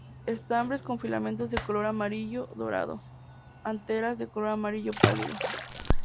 Estambres con filamentos de color amarillo dorado; anteras de color amarillo pálido.